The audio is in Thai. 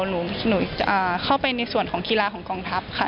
หนูจะเข้าไปในส่วนของกีฬาของกองทัพค่ะ